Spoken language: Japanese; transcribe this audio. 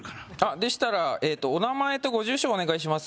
でしたらお名前とご住所お願いします